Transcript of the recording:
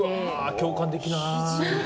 共感できなーい。